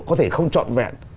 có thể không trọn vẹn